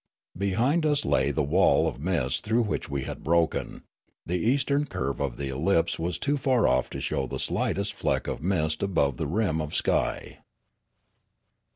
Behind us lay the wall of mist through which we had broken ; the eastern curve of the ellipse was too far off to show the slightest fleck of mist above the rim of sky.